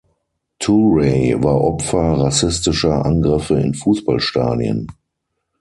Touray war Opfer rassistischer Angriffe in Fußballstadien.